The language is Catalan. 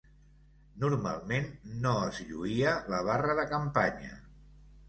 Normalment no es lluïa la barra de campanya.